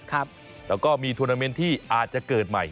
แล้วก็มีทุนเตอร์เมนที่อาจจะเกิดใหม่